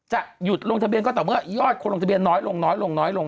หยุดลงทะเบียนก็ต่อเมื่อใช้ควรลงทะเบียนน้อยลงน้อยลง